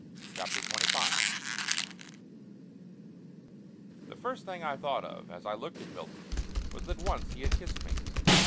CHAPTER XXV / ~p v HE first thing I thought of as I looked at Milton * was that once he had kissed me.